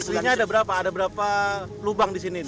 ini ada berapa lubang di sini